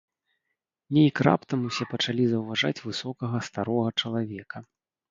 Нейк раптам усе пачалі заўважаць высокага старога чалавека.